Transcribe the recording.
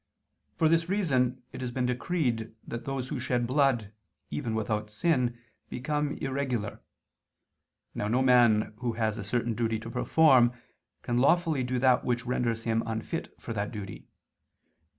For this reason it has been decreed that those who shed blood, even without sin, become irregular. Now no man who has a certain duty to perform, can lawfully do that which renders him unfit for that duty.